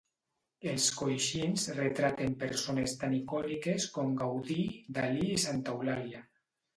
Els coixins retraten persones tan icòniques com Gaudí, Dalí i Santa Eulàlia.